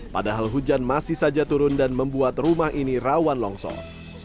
padahal hujan masih saja turun dan membuat rumah ini rawan longsor